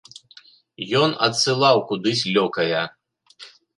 Ён адсылаў кудысь лёкая.